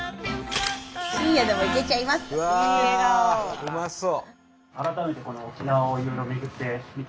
うまそう。